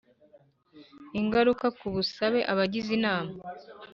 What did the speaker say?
Ingaruka ku busabe abagize inama